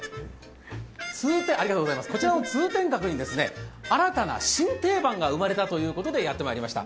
こちらの通天閣に新定番が生まれたということでやってまいりました。